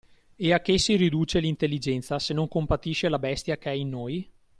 E a che si riduce l'intelligenza, se non compatisce la bestia che è in noi?